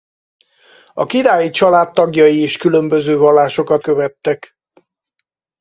A királyi család tagjai is különböző vallásokat követtek.